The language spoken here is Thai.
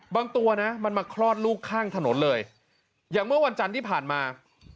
ตัวนะมันมาคลอดลูกข้างถนนเลยอย่างเมื่อวันจันทร์ที่ผ่านมา